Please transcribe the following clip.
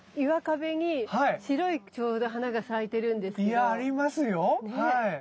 いやありますよはい。